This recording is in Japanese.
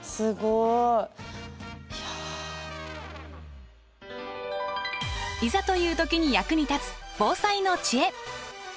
いざという時に役に立つ防災の知恵。